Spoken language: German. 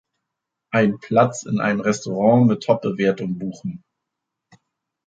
einen Platz in einem Restaurant mit Top-Bewertung buchen